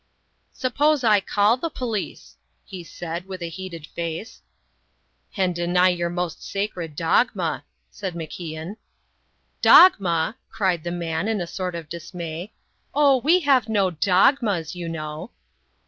"Suppose I call the police?" he said, with a heated face. "And deny your most sacred dogma," said MacIan. "Dogma!" cried the man, in a sort of dismay. "Oh, we have no dogmas, you know!"